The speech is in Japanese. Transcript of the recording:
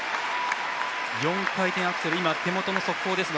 ４回転アクセル手元の速報ですが。